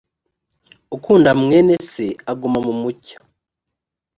ukunda mwene se aguma mu mucyo